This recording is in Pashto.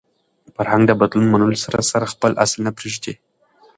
فرهنګ د بدلون منلو سره سره خپل اصل نه پرېږدي.